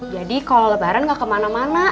jadi kalau lebaran gak kemana mana